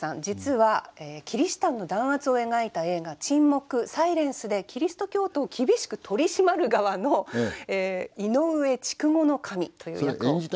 実はキリシタンの弾圧を描いた映画「沈黙−サイレンス−」でキリスト教徒を厳しく取り締まる側の井上筑後守という役を。